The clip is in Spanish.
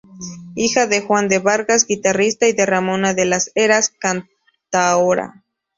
Hija de "Juan de Vargas", guitarrista, y de "Ramona de las Heras", cantaora.